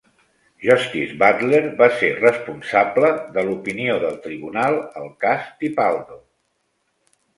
Justice Butler va ser responsable de l'opinió del tribunal al cas "Tipaldo".